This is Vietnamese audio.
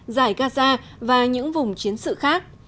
giải gaza và những vùng chiến sự khác